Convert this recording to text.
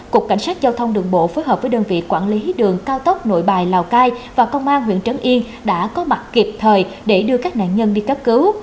cục cảnh sát giao thông đường bộ phối hợp với đơn vị quản lý đường cao tốc nội bài lào cai và công an huyện trấn yên đã có mặt kịp thời để đưa các nạn nhân đi cấp cứu